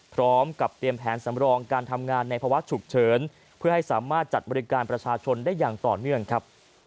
พร้อมกับเตรียมแผนสำรองการทำงานในภาวะฉุกเฉินเพื่อให้สามารถจัดบริการประชาชนได้อย่างต่อเนื่องครับ